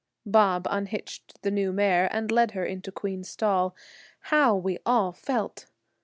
Bob unhitched the new mare and led her into Queen's stall. How we all felt!